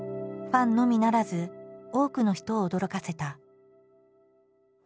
ファンのみならず多くの人を驚かせた。